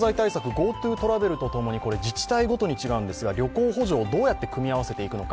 ＧｏＴｏトラベルとともに自治体ごとに違うんですが、旅行補助をどうやって組み合わせていくのか。